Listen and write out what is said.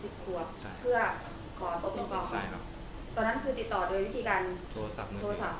ก็ได้กันมาจากใครเอ้ย